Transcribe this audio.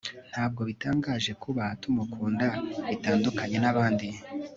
ntabwo bitangaje kuba tumukunda bitandukanye nabandi